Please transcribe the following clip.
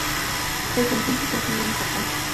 Desde entonces reside en Japón.